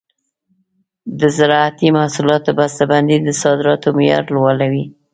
د زراعتي محصولاتو بسته بندي د صادراتو معیار لوړوي.